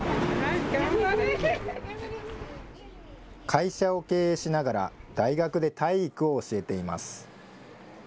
会社を経営しながら、大学で体育を教えています。